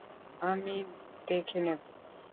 আমি দেখে নেব।